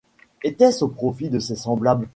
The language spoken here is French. Était-ce au profit de ses semblables ?